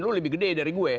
lu lebih gede dari gue